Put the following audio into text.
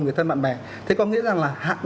người thân bạn bè thế có nghĩa rằng là